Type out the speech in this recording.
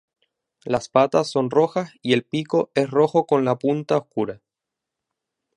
Las patas son rojas y el pico es rojo con la punta oscura.